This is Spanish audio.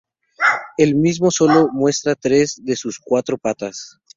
El mismo solo muestra tres de sus cuatro patas.